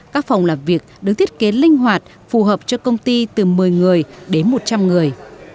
các phòng làm việc được thiết kế linh hoạt phù hợp cho công ty từ một mươi người đến một trăm linh người